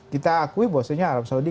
kita akui bahwasannya alam saudi